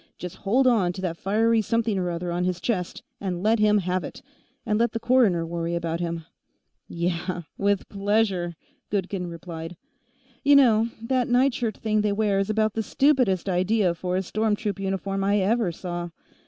Just hold on to that fiery something or other on his chest and let him have it, and let the coroner worry about him." "Yeah. With pleasure," Goodkin replied. "You know, that nightshirt thing they wear is about the stupidest idea for a storm troop uniform I ever saw.